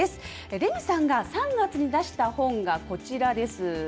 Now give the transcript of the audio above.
レミさんが３月に出した本がこちらです。